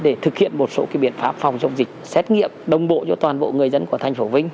để thực hiện một số cái biện pháp phòng dịch xét nghiệm đồng bộ cho toàn bộ người dân của thành phố vĩnh